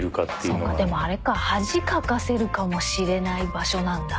そうかでもあれか恥かかせるかもしれない場所なんだ。